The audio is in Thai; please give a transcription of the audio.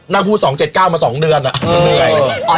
น้ำพูด๒๗๙มา๒เดือนอ่ะตึงนะแย่นะ